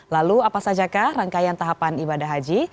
lalu apa saja kah rangkaian tahapan ibadah haji